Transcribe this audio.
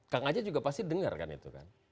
kang aja juga pasti dengar kan itu kan